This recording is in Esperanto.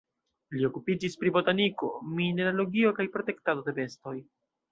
Li okupiĝis pri botaniko, mineralogio kaj protektado de bestoj.